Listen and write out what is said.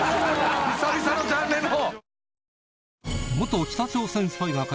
久々のジャン・レノ！